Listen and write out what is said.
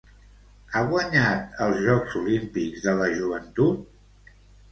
Ha guanyat els Jocs Olímpics de la Joventut?